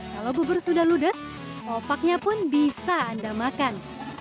kalau bubur sudah ludes opaknya pun bisa anda makan